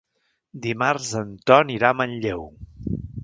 Dimarts en Ton irà a Manlleu.